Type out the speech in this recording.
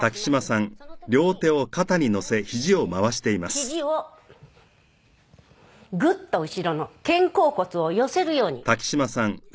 肘をグッと後ろの肩甲骨を寄せるように。